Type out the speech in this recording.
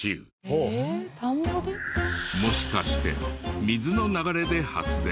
もしかして水の流れで発電？